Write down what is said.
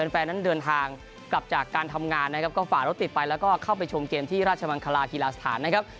แฟนนั้นเดินทางกลับจากการทำงานนะครับก็ฝ่ารถติดไปแล้วก็เข้าไปชมเกมที่ราชมังคลากีฬาสถานนะครับ